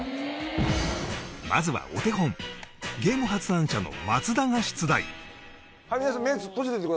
まずはお手本ゲーム発案者の松田が出題皆さん。